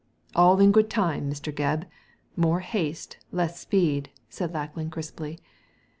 •* All in good time, Mr. Gebb. More haste, less speed !" said Lackland, crisply.